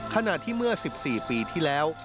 ขณะที่เมื่อ๑๔ปีที่แล้ว